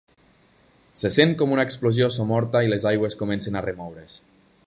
Se sent com una explosió somorta i les aigües comencen a remoure's.